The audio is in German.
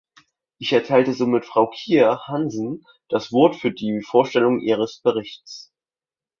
Ich erteile somit Frau Kjer Hansen das Wort für die Vorstellung ihres Berichts.